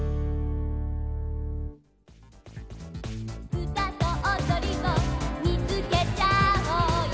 「うたとおどりを見つけちゃおうよ」